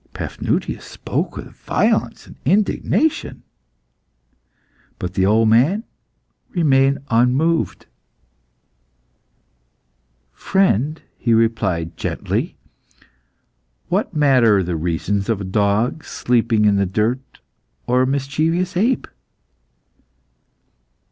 Paphnutius spoke with violence and indignation, but the old man remained unmoved. "Friend," he replied, gently, "what matter the reasons of a dog sleeping in the dirt or a mischievous ape?"